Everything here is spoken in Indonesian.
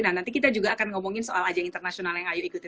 nah nanti kita juga akan ngomongin soal ajang internasional yang ayu ikutin